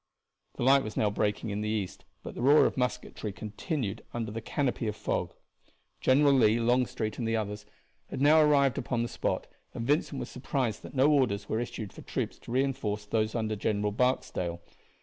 The light was now breaking in the east, but the roar of musketry continued under the canopy of fog. General Lee, Longstreet, and others had now arrived upon the spot, and Vincent was surprised that no orders were issued for troops to reinforce those under General Barksdale.